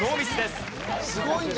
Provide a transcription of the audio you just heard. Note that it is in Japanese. すごいんじゃない？